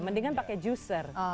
mendingan pakai juicer